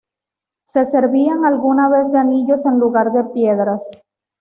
Se servían alguna vez de anillos en lugar de piedras.